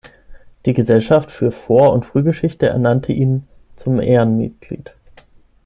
Die Gesellschaft für Vor- und Frühgeschichte ernannte Ihn zum Ehrenmitglied.